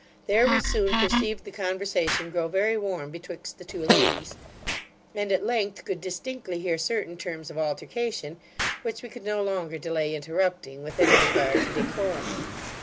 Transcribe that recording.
There we soon perceived the conversation grow very warm betwixt the two ladies; and, at length, could distinctly hear certain terms of altercation, which we could no longer delay interrupting, with any regard to decorum.